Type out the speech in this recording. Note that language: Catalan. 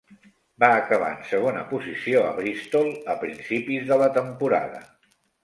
Va acabar en segona posició a Bristol a principis de la temporada.